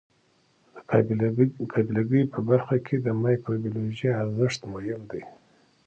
د قابله ګۍ په برخه کې د مایکروبیولوژي ارزښت مهم دی.